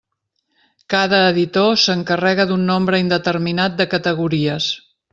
Cada editor s'encarrega d'un nombre indeterminat de categories.